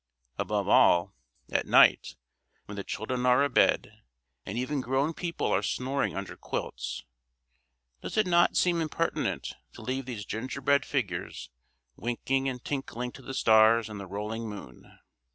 Above all, at night, when the children are abed, and even grown people are snoring under quilts, does it not seem impertinent to leave these ginger bread figures winking and tinkling to the stars and the rolling moon?